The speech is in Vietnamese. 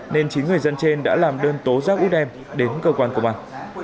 nên chín người dân trên đã làm đơn tố giác út em đến cơ quan công an